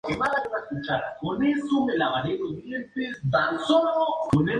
Dispone de refugios cubiertos para los pasajeros y de máquinas expendedoras de billetes.